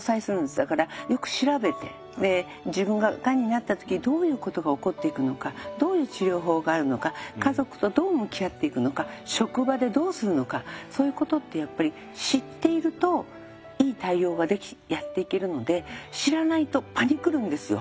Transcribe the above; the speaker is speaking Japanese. だからよく調べてで自分ががんになった時にどういうことが起こっていくのかどういう治療法があるのか家族とどう向き合っていくのか職場でどうするのかそういうことってやっぱり知っているといい対応ができやっていけるので知らないとパニクるんですよ。